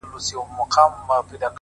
ستا خو د سونډو د خندا خبر په لپه كي وي-